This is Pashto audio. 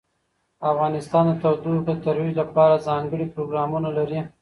افغانستان د تودوخه د ترویج لپاره ځانګړي پروګرامونه لري.